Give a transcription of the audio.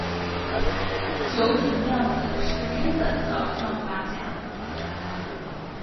九井谅子是日本的漫画家。